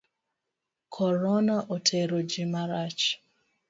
Korona otero ji marach.